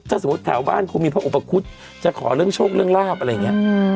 ถ้าสมมุติแถวบ้านคงมีพระอุปคุฎจะขอเรื่องโชคเรื่องลาบอะไรอย่างนี้